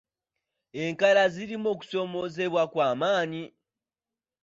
Enkala zirimu okusoomoozebwa kwa maanyi.